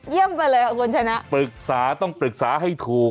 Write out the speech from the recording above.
เยี่ยมไปเลยครับคุณชนะปรึกษาต้องปรึกษาให้ถูก